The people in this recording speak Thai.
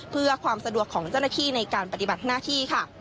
เพื่อความสะดวกของจนาทีในการปฏิบัติหน้าที่